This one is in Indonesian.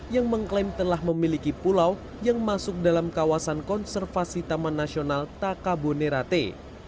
yang mengklaim telah memiliki pulau yang masuk dalam kawasan konservasi taman nasional takabonerate